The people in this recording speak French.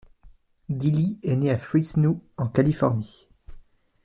Dele est né à Fresno, en Californie.